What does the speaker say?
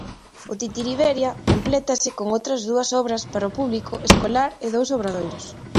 O Titiriberia complétase con outras dúas obras para o público escolar e dous obradoiros.